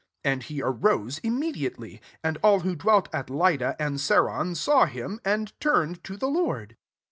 And he arose immediately. 35 And all who dwelt at Lydda and Saron saw him, and turned to the Lord.